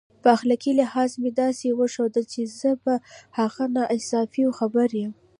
په اخلاقي لحاظ مې داسې وښودل چې زه په هغه ناانصافیو خبر یم.